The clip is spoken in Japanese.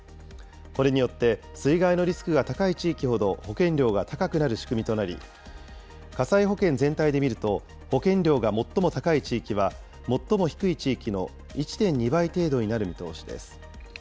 これによって水害のリスクが高い地域ほど保険料が高くなる仕組みとなり、火災保険全体で見ると、保険料が最も高い地域は、最も低い地域の１．２倍程度になる見通しです。